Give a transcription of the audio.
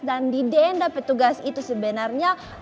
dan didenda petugas itu sebenarnya